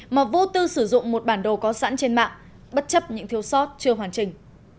mà vô tư sử dụng một bản đồ có sẵn trên mạng bất chấp những thiếu sót chưa hoàn chỉnh